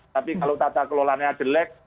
tapi kalau tata kelolaannya jelek